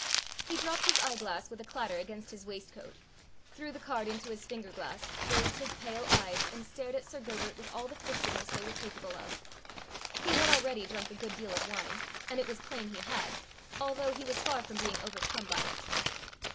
He dropped his eyeglass with a clatter against his waistcoat, threw the card into his finger glass, raised his pale eyes, and stared at Sir Gilbert with all the fixedness they were capable of. He had already drunk a good deal of wine, and it was plain he had, although he was far from being overcome by it.